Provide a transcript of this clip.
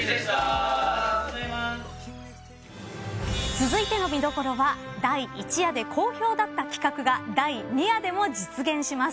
続いての見どころは第１夜で好評だった企画が第２夜でも実現します。